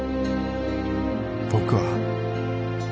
僕は